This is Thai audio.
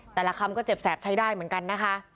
แต่ละคำก็เจ็บแสบใช้ได้เหมือนกันนะคะ